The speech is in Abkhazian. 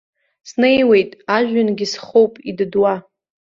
Снеиуеит, ажәҩангьы схоуп идыдуа.